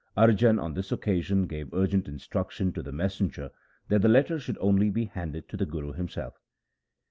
Arjan on this occasion gave urgent instruction to the mes senger that the letter should only be handed to the Guru himself.